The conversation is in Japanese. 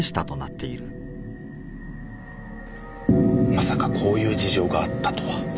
まさかこういう事情があったとは。